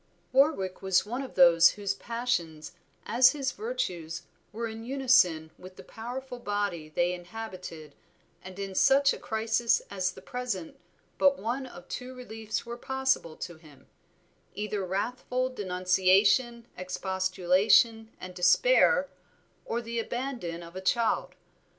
Warwick was one of those whose passions, as his virtues, were in unison with the powerful body they inhabited, and in such a crisis as the present but one of two reliefs were possible to him; either wrathful denunciation, expostulation and despair, or the abandon of a child.